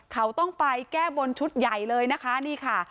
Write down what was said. เขาต้องไปแก้บนชุดใหญ่เลยนะคะนี่ค่ะ